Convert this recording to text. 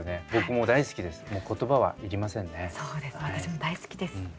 私も大好きです。